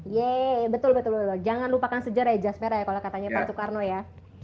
yeay betul betul jangan lupakan sejarah ya jasmer kalau katanya pak soekarno ya